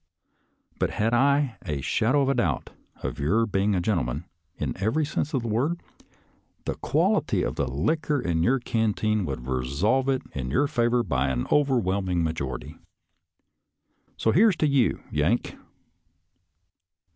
But, had I a shadow 110 SOLDIER'S LETTERS TO CHARMING NELLIE of a doubt of your being a gentleman in every sense of the word, the quality of the liquor in your canteen would resolve it in your favor by an overwhelming majority. So here's to you, Yank!